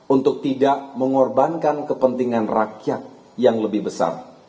untuk tidak mengorbankan kepentingan rakyat yang lebih besar